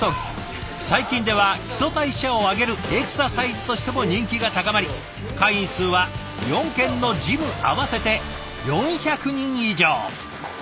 最近では基礎代謝を上げるエクササイズとしても人気が高まり会員数は４軒のジム合わせて４００人以上。